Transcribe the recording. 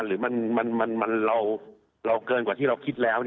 หรือเราเกินกว่าที่เราคิดแล้ว